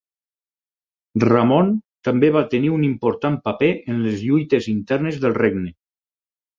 Ramon també va tenir un important paper en les lluites internes del regne.